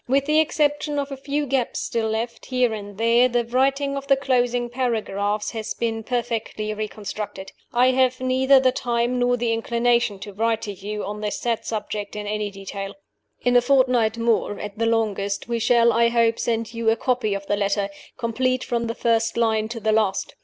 With the exception of a few gaps still left, here and there, the writing of the closing paragraphs has been perfectly reconstructed. I have neither the time nor the inclination to write to you on this sad subject in any detail. In a fortnight more, at the longest, we shall, I hope, send you a copy of the letter, complete from the first line to the last.